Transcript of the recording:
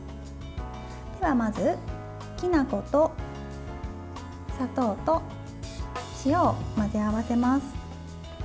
ではまず、きな粉と砂糖と塩を混ぜ合わせます。